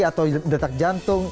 atau detak jantung